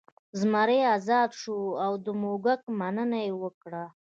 زمری ازاد شو او د موږک مننه یې وکړه.